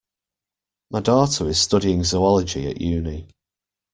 My daughter is studying zoology at uni